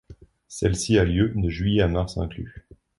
Celle-ci a lieu de juillet à mars inclus.